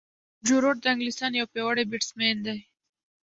جو روټ د انګلستان یو پیاوړی بیټسمېن دئ.